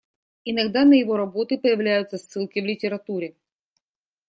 Иногда на его работы появляются ссылки в литературе.